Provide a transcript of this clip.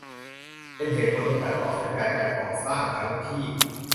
เป็นเหตุผลในการต่อสัญญาการก่อสร้างครั้งที่